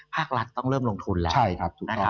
ภาครัฐต้องเริ่มลงทุนแล้ว